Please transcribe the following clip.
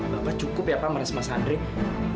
bapak cukup ya pak meres mas andre